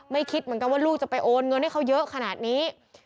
คิดเหมือนกันว่าลูกจะไปโอนเงินให้เขาเยอะขนาดนี้